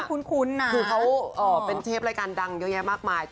ก็คุ้นค่ะเค้าเป็นเชฟประการดังเยอะแยะมากมาย